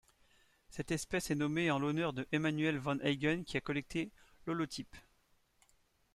Cette espèce est nommée en l'honneur de Emmanuel van Heygen qui a collecté l'holotype.